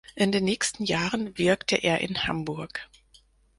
In den nächsten Jahren wirkte er in Hamburg.